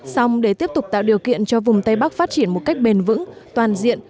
xong để tiếp tục tạo điều kiện cho vùng tây bắc phát triển một cách bền vững toàn diện